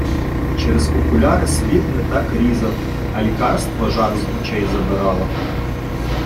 Через окуляри світ не так різав, а лікарство жар з очей забирало.